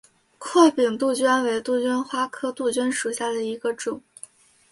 阔柄杜鹃为杜鹃花科杜鹃属下的一个种。